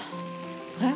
えっ？